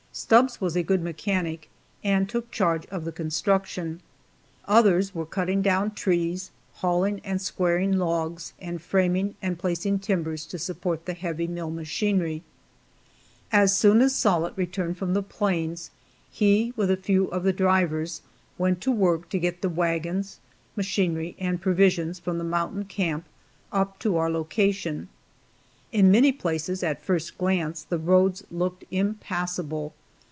Stubbs was a good mechanic and took charge of the construction. Others were cutting down trees, hauling and squaring logs, and framing and placing timbers to support the heavy mill machinery. As soon as Sollitt returned from the plains, he, with a few of the drivers, went to work to get the wagons, machinery and provisions from the mountain camp up to our location. In many places, at first glance, the roads looked impassable.